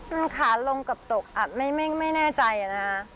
มันขาดลงกับตกไม่แน่ใจนะ